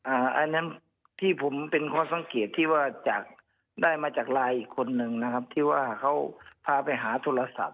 อันนั้นที่ผมเป็นข้อสังเกตที่ว่าจากได้มาจากไลน์อีกคนนึงนะครับที่ว่าเขาพาไปหาโทรศัพท์